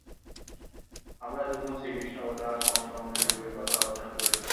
আমরা এতক্ষণ শ্রীকৃষ্ণ ও তাঁহার সমসাময়িক যুগের কথা আলোচনা করিলাম।